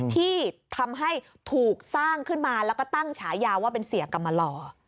ที่ทำให้ถูกสร้างขึ้นมาแล้วก็ตั้งฉายาว่าเป็นเสียกรรมลอ